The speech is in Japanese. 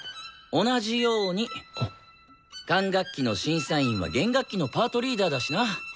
同じように管楽器の審査員は弦楽器のパートリーダーだしな。